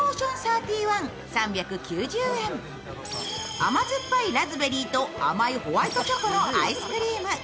甘酸っぱいラズベリーと甘いホワイトチョコのアイスクリーム。